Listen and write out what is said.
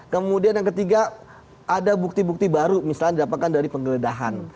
kemudian yang ketiga ada bukti bukti baru misalnya didapatkan dari penggeledahan